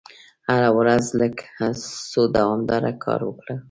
هره ورځ لږ خو دوامداره کار وکړه.